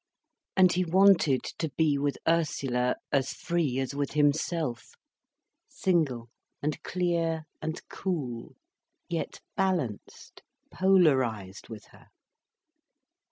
And he wanted to be with Ursula as free as with himself, single and clear and cool, yet balanced, polarised with her.